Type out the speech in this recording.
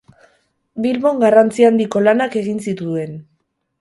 Bilbon garrantzi handiko lanak egin zituen.